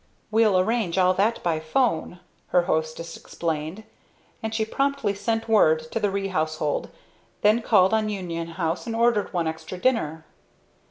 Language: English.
"We'll arrange all that by 'phone," her hostess explained; and she promptly sent word to the Ree household, then called up Union House and ordered one extra dinner.